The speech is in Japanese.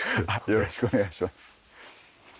よろしくお願いします。